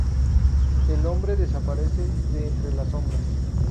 El hombre desaparece de entre las sombras.